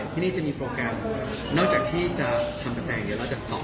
ที่นี่จะมีโปรแกรมนอกจากที่จะทำกระแตงเดี๋ยวเราจะสต๊อก